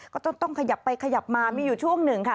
ก็ต้องขยับไปขยับมามีอยู่ช่วงหนึ่งค่ะ